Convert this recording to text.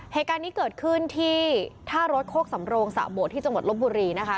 เหตุการณ์นี้เกิดขึ้นที่ท่ารถโคกสำโรงสะโบดที่จังหวัดลบบุรีนะคะ